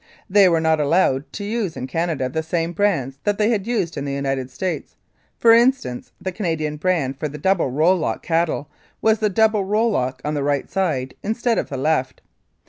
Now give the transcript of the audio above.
They were not allowed to use in Canada the same brands that they had used in the United States; for instance, the Canadian brand for the double rowlock cattle was the double rowlock on the right side instead of the left.